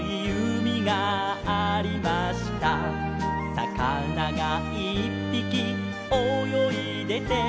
「さかながいっぴきおよいでて」